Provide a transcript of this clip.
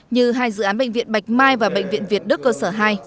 như hai dự án bệnh viện bạch mai và bệnh viện việt đức cơ sở hai